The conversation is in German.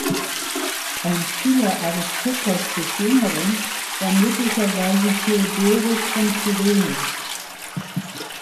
Ein Schüler Aristippos' des Jüngeren war möglicherweise Theodoros von Kyrene.